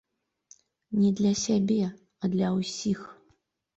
Не для сябе, а для ўсіх.